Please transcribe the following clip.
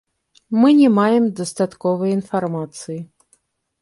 Мы не маем дастатковай інфармацыі.